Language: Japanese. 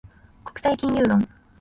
国際金融論